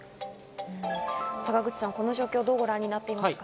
坂口さん、この状況をどうご覧になっていますか？